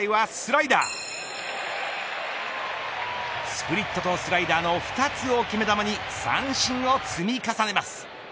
スプリットとスライダーの２つを決め球に三振を積み重ねます。